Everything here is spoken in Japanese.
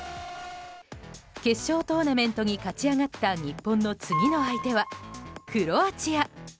決勝トーナメントに勝ち上がった日本の次の相手はクロアチア。